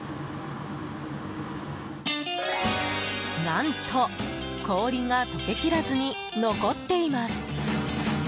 何と、氷が解けきらずに残っています。